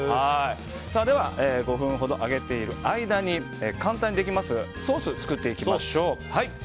では、５分ほど揚げている間に簡単にできますソースを作っていきましょう。